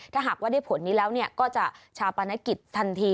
ถ้าหากว่าได้ผลนี้แล้วก็จะชาปนกิจทันที